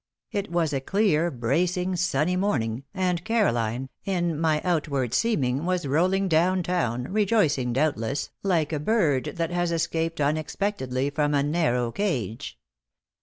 It was a clear, bracing, sunny morning, and Caroline, in my outward seeming, was rolling down town, rejoicing, doubtless, like a bird that has escaped unexpectedly from a narrow cage.